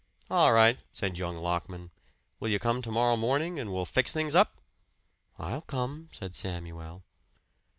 "All right," said young Lockman. "Will you come to morrow morning, and we'll fix things up?" "I'll come," said Samuel.